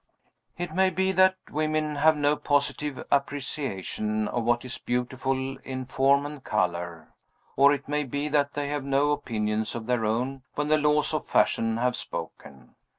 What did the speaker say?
It may be that women have no positive appreciation of what is beautiful in form and color or it may be that they have no opinions of their own when the laws of fashion have spoken.